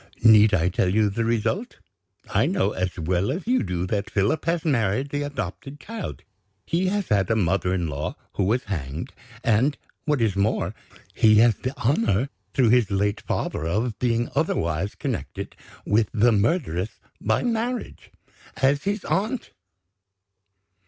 Need I tell you the result? I know, as well as you do, that Philip has married the adopted child. He has had a mother in law who was hanged, and, what is more, he has the honor, through his late father, of being otherwise connected with the murderess by marriage as his aunt!"